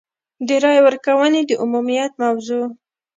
د رایې ورکونې د عمومیت موضوع.